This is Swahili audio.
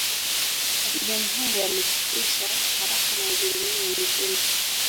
Mapigano hayo yalikwisha haraka na Wajerumani walishinda